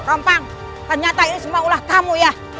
eh rompang ternyata ini semua ulah kamu ya